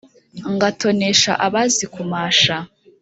Ngatonesha abazi kumasha